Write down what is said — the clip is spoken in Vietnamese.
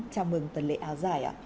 chào mừng tuần lễ áo dài